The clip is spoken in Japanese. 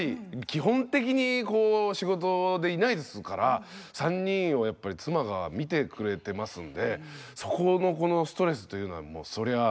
基本的にこう仕事でいないですから３人をやっぱり妻が見てくれてますんでそこのストレスというのはそりゃあ感じはします。